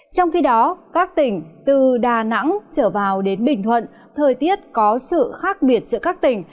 trong khi đó các tỉnh từ đà nẵng trở vào đến bình thuận thời tiết có sự khác biệt giữa các tỉnh